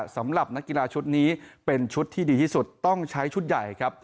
สำหรับนักกีฬาชุดนี้เป็นชุดที่ดีที่สุดต้องใช้ชุดใหญ่ครับ